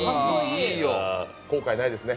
後悔ないですね？